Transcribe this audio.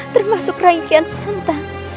termasuk raikan santan